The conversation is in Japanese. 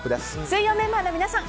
水曜メンバーの皆さん